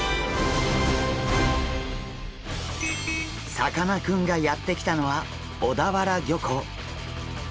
さかなクンがやって来たのは小田原漁港。